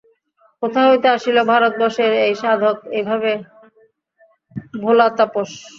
কোথা হইতে আসিল ভারতবর্ষের এই সাধক, এই ভাবে-ভোলা তাপস!